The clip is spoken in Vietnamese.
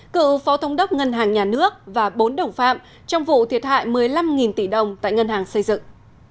cựu phó thống đốc ngân hàng nhà nước và bốn đồng phạm trong vụ thiệt hại một mươi năm tỷ đồng tại ngân hàng xây dựng